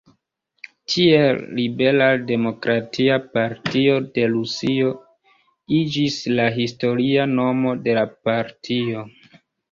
Tiel, "liberal-demokratia partio de Rusio" iĝis la historia nomo de la partio.